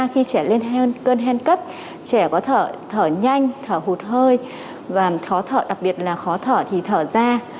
khi trẻ lên cơn hen cấp trẻ có thể thở nhanh thở hụt hơi và khó thở đặc biệt là khó thở thì thở ra